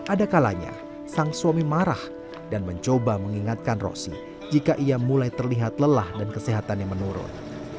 ada kalanya sang suami marah dan mencoba mengingatkan rosi jika ia mulai terlihat lelah dan kesehatannya menurun